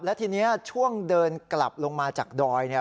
และทีนี้ช่วงเดินกลับลงมาจากดอยเนี่ย